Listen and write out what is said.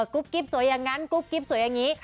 ุ๊กกิ๊บสวยอย่างนั้นกุ๊กกิ๊บสวยอย่างนี้